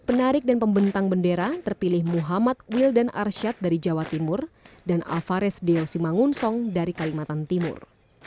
penarik dan pembentang bendera terpilih muhammad wildan arsyad dari jawa timur dan alvares deo simangunsong dari kalimantan timur